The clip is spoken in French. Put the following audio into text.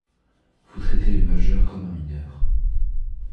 Vous traitez le majeur comme un mineur.